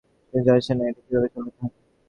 তুই তো জানিসই না এটা কিভাবে চালাতে হয়!